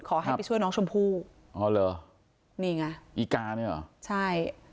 ขอให้ไปช่วยน้องชมพู่อ๋อเหรอนี่ไงอีกาเนี่ยเหรอใช่